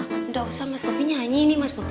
gak usah mas bopi nyanyi nih mas bopi